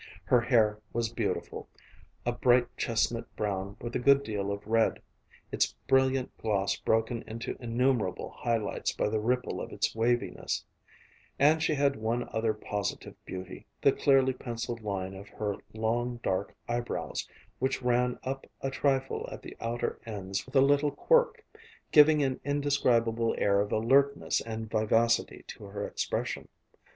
Her hair was beautiful, a bright chestnut brown with a good deal of red, its brilliant gloss broken into innumerable high lights by the ripple of its waviness; and she had one other positive beauty, the clearly penciled line of her long, dark eyebrows, which ran up a trifle at the outer ends with a little quirk, giving an indescribable air of alertness and vivacity to her expression.